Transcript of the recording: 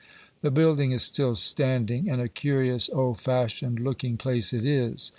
The building is still standing, and a curious, old fashioned looking place it is.